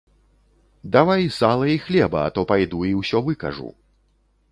Давай сала і хлеба, а то пайду і ўсё выкажу.